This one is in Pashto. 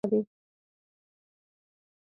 هغه وویل زه پاچا یم نو ځکه دا ټول زما دي.